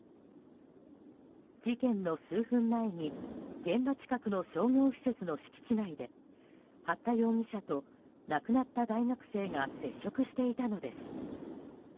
事件の数分前に現場近くの商業施設の敷地内で八田容疑者と亡くなった大学生が接触していたのです。